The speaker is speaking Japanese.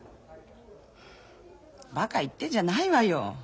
バカ言ってんじゃないわよ。